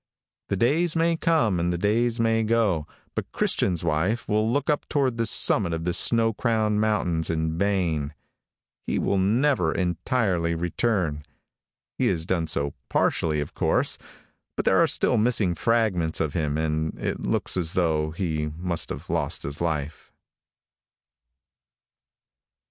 The days may come and the days may go, but Christian's wife will look up toward the summit' of the snow crowned mountains in vain. He will never entirely return. He has done so partially, of course, but there are still missing fragments of him, and it looks as though he must have lost his life.